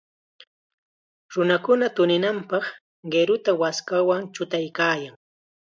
Nunakuna tuninanpaq qiruta waskawan chutaykaayan.